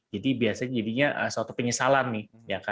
jadi biasanya jadinya suatu penyesalan nih